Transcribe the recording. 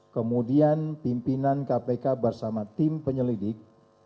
kemudian pimpinan kpk bersama tim penyelidik